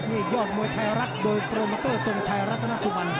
มียอดมวยไทยรักโดยโปรโมโต้สงชายรัตนสุวรรณ